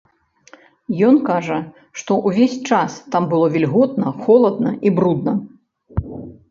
Ён кажа, што ўвесь час там было вільготна, холадна і брудна.